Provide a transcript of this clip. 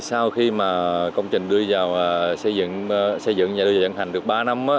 sau khi công trình xây dựng và đưa vào dẫn hành được ba năm